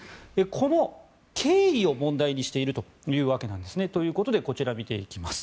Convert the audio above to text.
この経緯を問題にしているというわけです。ということでこちら、見ていきます。